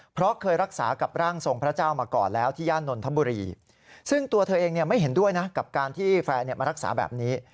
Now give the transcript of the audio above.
เพราะเคยรักษากับร่างทรงพระเจ้ามาก่อนแล้วที่ย่านนทบุรีซึ่งตัวเธอเองไม่เห็นด้วยนะกับการที่แฟนมารักษาแบบนี้